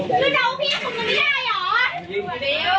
ชนมาแล้วเนาะ